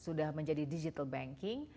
sudah menjadi digital banking